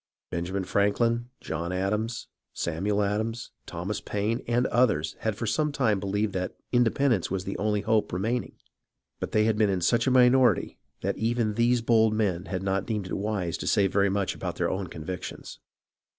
Benjamin Franklin, 86 HISTORY OF THE AMERICAN REVOLUTION John Adams, Samuel Adams, Thomas Paine, and others had for some time beheved that independence was the only hope remaining, but they had been in such a minor ity that even these bold men had not deemed it wise to say very much about their own convictions.